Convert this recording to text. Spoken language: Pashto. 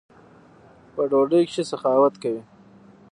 په ډوډۍ کښي سخاوت کوئ!